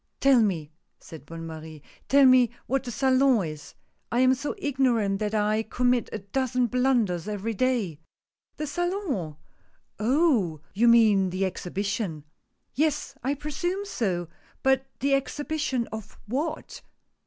" Tell me," said Bonne Marie, —" Tell me what the Salon is — I am so ignorant that I commit a dozen blunders every day." "The Salon? Oh! you mean the Exhibition." "Yes, I presume so — but the Exhibition of what